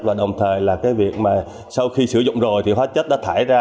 và đồng thời là cái việc mà sau khi sử dụng rồi thì hóa chất đã thải ra